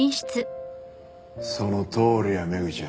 そのとおりやメグちゃん。